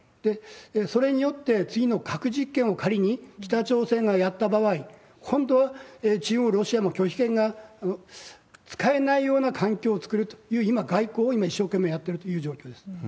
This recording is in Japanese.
それによって次の核実験を仮に北朝鮮がやった場合、今度は中国もロシアも拒否権が使えないような環境を作るという、今、外交を今一生懸命やってるという状況です。